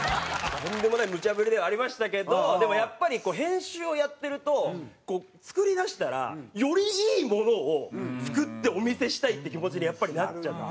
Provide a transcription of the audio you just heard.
とんでもないむちゃ振りではありましたけどでもやっぱりこう編集をやってると作りだしたらよりいいものを作ってお見せしたいって気持ちにやっぱりなっちゃって。